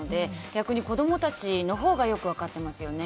逆に子供たちのほうがよく分かっていますよね。